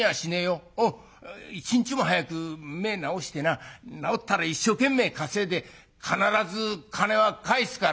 一日も早く目ぇ治してな治ったら一生懸命稼いで必ず金は返すから」。